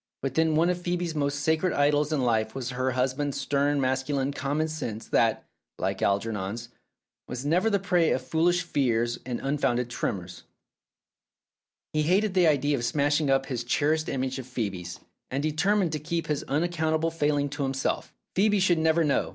But then one of Phoebe's most sacred idols in life was her husband's stern masculine common sense that (like Algernon's) was never the prey of foolish fears and unfounded tremors. He hated the idea 298 Philip's Safety Razor of smashing up this cherished image of Phcebe's, and determined to keep his unaccountable failing to himself. Phoebe should never know.